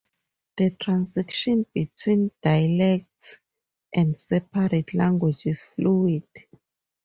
The transition between dialects and separate language is fluid.